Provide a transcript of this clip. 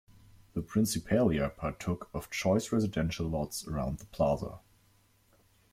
The "principalia" partook of choice residential lots around the plaza.